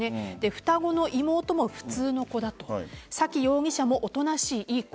双子の妹も普通の子だと沙喜容疑者もおとなしいいい子。